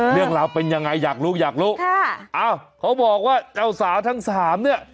เรื่องราวเป็นยังไงอยากรู้อยากรู้ค่ะอ้าวเขาบอกว่าเจ้าสาวทั้งสามเนี่ย